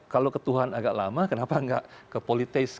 kalau ketuhan agak lama kenapa tidak kepolisikan